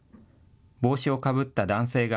帽子をかぶった男性が。